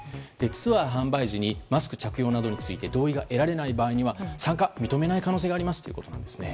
ツアー販売時にマスク着用などについて同意が得られない場合には参加を認めない可能性がありますということなんですね。